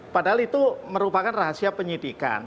padahal itu merupakan rahasia penyidikan